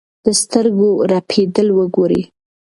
د سترګو رپېدل وګورئ.